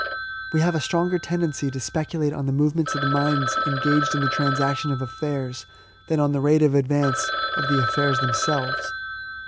We have a stronger tendency to speculate on the movements of the minds engaged in the transaction of afiairs, than on the rate of advance of the affiiirs them* selves.